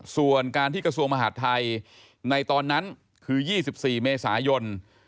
ส่วนการที่กระทรวงมหาดไทยในตอนนั้นคือ๒๔เมษายน